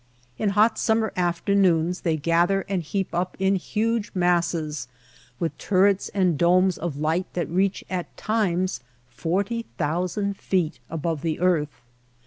In hot summer afternoons they gather and heap up in huge masses with turrets and domes of light that reach at times forty thousand feet above the earth.